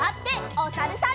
おさるさん。